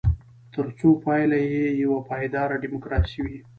ترڅو پایله یې یوه پایداره ډیموکراسي وي.